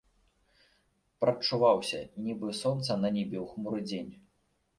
Прадчуваўся, нібы сонца на небе ў хмурны дзень.